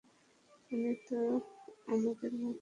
উনি তো আমাদের মতোই।